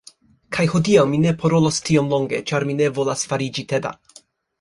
Kaj hodiaŭ mi ne parolos tiom longe ĉar mi ne volas fariĝi teda